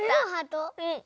うん。